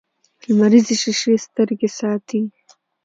لمریزې شیشې سترګې ساتي